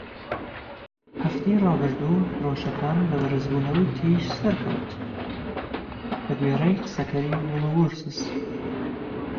هەفتەی ڕابردوو فرۆشەکان بە "بەرز بوونەوەی تیژ" سەرکەوت، بە گوێرەی قسەکەری ووڵوۆرسز.